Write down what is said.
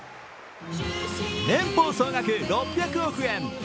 年俸総額６００億円。